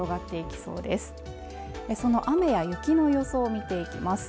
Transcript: その雨や雪の予想を見ていきます